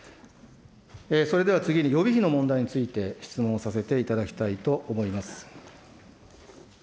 それでは次に、予備費の問題について質問させていただきたいと思います。